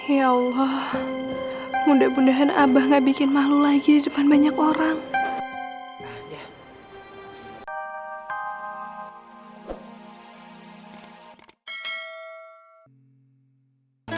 ya allah mudah mudahan abah nggak bikin malu lagi depan banyak orang ya